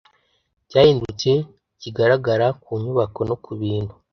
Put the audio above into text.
cyahindutse kigaragara ku nyubako no ku bintu